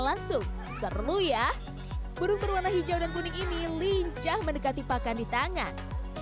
langsung sermu ya burung berwarna hijau dan kuning ini lincah mendekati pakan di tangan